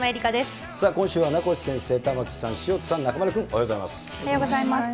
さあ、今週は名越先生、玉城さん、潮田さん、中丸君、おはようございます。